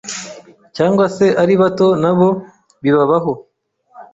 cyangwa se ari bato.nabo bibabaho